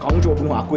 kamu coba bunuh aku ya